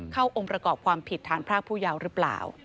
องค์ประกอบความผิดฐานพรากผู้ยาวหรือเปล่า